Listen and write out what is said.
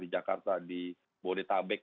di jakarta di bodetabek